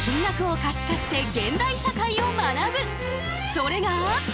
それが。